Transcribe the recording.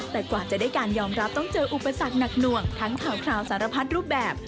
แต่กว่าจะได้การยอมรับต้องเจออุปสรรคหนักหน่วงทั้งข่าวสารพัดรูปแบบ